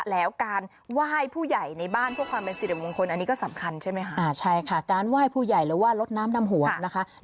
แล้วการไหว้ผู้ใหญ่ในบ้านพวกความเป็นศิลป์มงคล